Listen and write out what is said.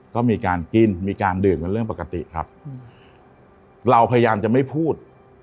ก็มีการกินมีการดื่มกันเรื่องปกติครับเราพยายามจะไม่พูด